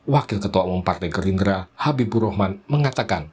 wakil ketua umum partai gerindra habibur rahman mengatakan